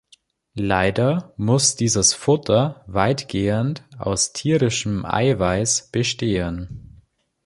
Leider muss dieses Futter weitgehend aus tierischem Eiweiß bestehen.